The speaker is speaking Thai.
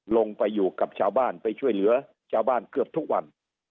ลงไปอยู่กับชาวบ้านไปช่วยเหลือชาวบ้านเกือบทุกวัน